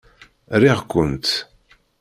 Riɣ-kent!